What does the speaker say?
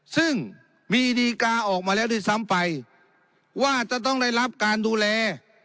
ซึ่งมีดีกาออกมาแล้วด้วยซ้ำไปว่าจะต้องได้รับการดูแล